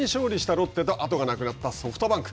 あとがなくなったソフトバンク。